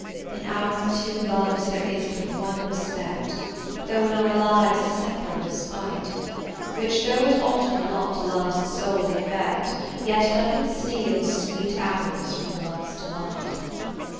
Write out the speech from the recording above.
In our two loves there is but one respect, Though in our lives a separable spite, Which though it alter not love's sole effect, Yet doth it steal sweet hours from love's delight.